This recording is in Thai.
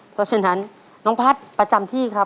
เพราะฉะนั้นน้องพัฒน์ประจำที่ครับ